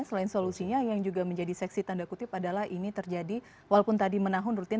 selain solusinya yang juga menjadi seksi tanda kutip adalah ini terjadi walaupun tadi menahun rutin